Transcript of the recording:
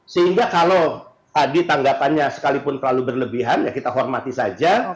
sehingga kalau tadi tanggapannya sekalipun terlalu berlebihan ya kita hormati saja